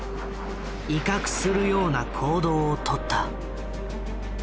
威嚇するような行動をとった。